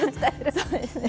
そうですね。